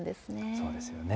そうですよね。